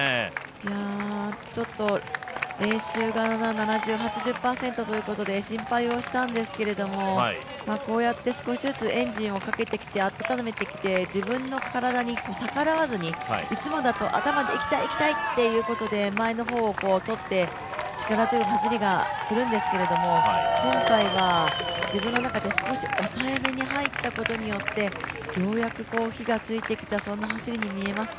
ちょっと練習が７０％、８０％ということで心配をしたんですけれどもこうやって少しずつエンジンをかけてきて、温めてきて自分の体に逆らわずに、いつもだと頭で行きたい行きたいっていうことで前の方を取って、力強い走りをするんですけど今回は、自分の中で少し抑えめに入ったことで、ようやく火がついてきたそんな走りに見えます。